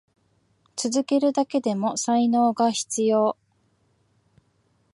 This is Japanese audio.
続けるだけでも才能が必要。